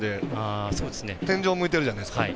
天井を向いてるじゃないですか。